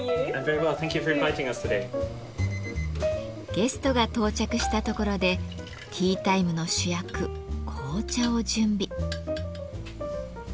ゲストが到着したところでティータイムの主役紅茶を準備。